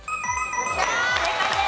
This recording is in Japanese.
正解です。